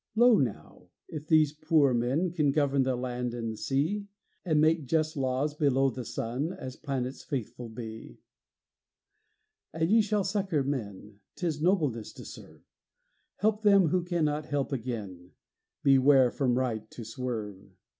Lo, now! if these poor men Can govern the land and sea, And make just laws below the sun, As planets faithful be. And ye shall succor men; 'Tis nobleness to serve; Help them who cannot help again: Beware from right to swerve.